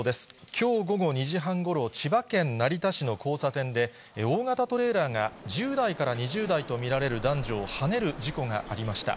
きょう午後２時半ごろ、千葉県成田市の交差点で、大型トレーラーが１０代から２０代と見られる男女をはねる事故がありました。